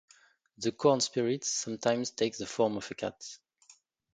The corn spirit sometimes takes the form of a cat.